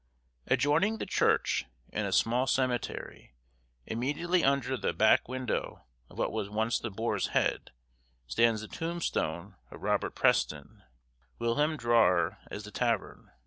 Adjoining the church, in a small cemetery, immediately under the back window of what was once the Boar's Head, stands the tombstone of Robert Preston, whilom drawer at the tavern.